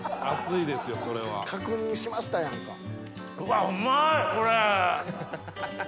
熱いですよそれは。確認しましたやんか。